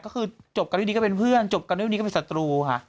ก็คือจบกันด้วยดีก็เป็นเพื่อนจบกันด้วยดีก็เป็นศัตรูค่ะ